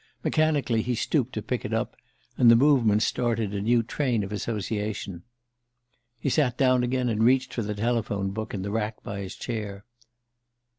Mechanically he stooped to pick it up, and the movement started a new train of association. He sat down again, and reached for the telephone book in the rack by his chair.